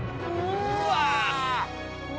うわ！